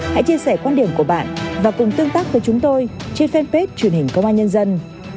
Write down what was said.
hãy chia sẻ quan điểm của bạn và cùng tương tác với chúng tôi trên fanpage truyền hình công an nhân dân